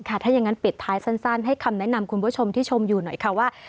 ถ้าอย่างนั้นปิดท้ายสั้นให้คำแนะนำคุณผู้ชมที่ชมอยู่หน่อยค่ะว่า